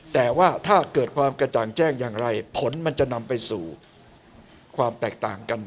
แต่ว่าถ้าเกิดความกระจ่างแจ้งอย่างไรผลมันจะนำไปสู่ความแตกต่างกัน